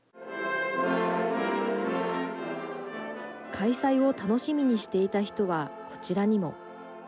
開催を楽しみにしていた人はこちらにも。